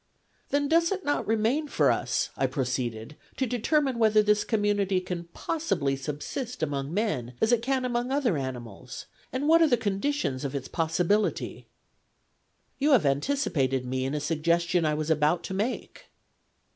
' Then does it not remain for us,' I proceeded, ' to determine whether this community can possibly subsist among men as it can among other animals, and what are the conditions of its possibility ?'' You have anticipated me in a suggestion I was about to make.'